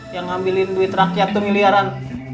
yang ngambilin duit rakyat tuh miliaran